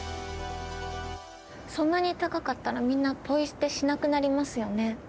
そんなに高かったらみんなポイ捨てしなくなりますよね。